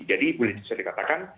jadi boleh diserikatakan